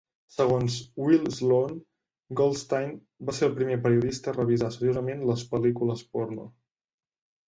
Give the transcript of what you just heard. Segons Will Sloan, Goldstein va ser el primer periodista a revisar seriosament les pel·lícules porno.